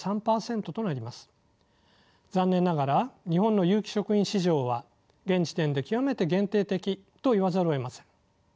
残念ながら日本の有機食品市場は現時点で極めて限定的と言わざるをえません。